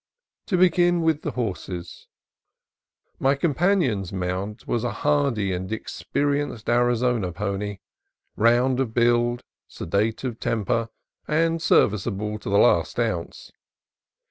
To begin with the horses : My companion's mount was a hardy and experienced Arizona pony, round of build, sedate of temper, and serviceable to the last ounce.